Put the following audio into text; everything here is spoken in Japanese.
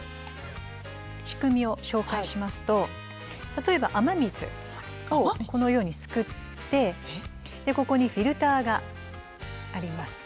仕組みを紹介しますと例えば雨水をこのようにすくってここにフィルターがあります。